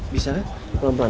bisa kan pelan pelan ya